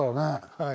はい。